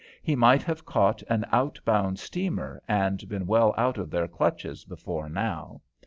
He might have caught an outbound steamer and been well out of their clutches before now.